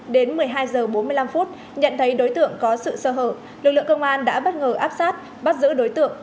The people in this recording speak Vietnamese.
đến một mươi hai h bốn mươi năm nhận thấy đối tượng có sự sơ hở lực lượng công an đã bất ngờ áp sát bắt giữ đối tượng